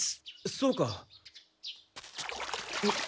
そうか。